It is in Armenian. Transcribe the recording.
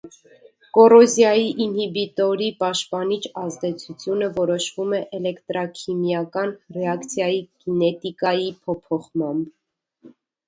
Կոռոզիայի ինհիբիտորի պաշտպանիչ ազդեցությունը որոշվում է էլեկտրաքիմիական ռեակցիայի կինետիկայի փոփոխմամբ։